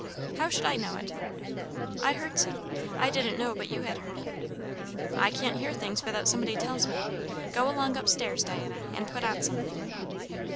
"How should I know it?" "I heard so. I didn't know but you had heard it." "I can't hear things without somebody tells me. Go along up stairs, Diana, and put on something."